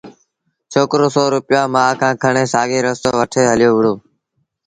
ڇوڪرو سو روپيآ مآ کآݩ کڻي سآڳوئيٚ رستو وٺي هليو وهُڙو